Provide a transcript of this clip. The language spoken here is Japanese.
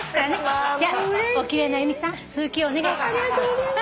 じゃあお奇麗な由美さん続きをお願いします。